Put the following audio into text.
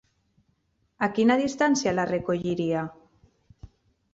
A quina distància la recolliria?